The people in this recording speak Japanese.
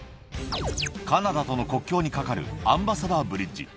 カナダとの国境に架かるアンバサダーブリッジ。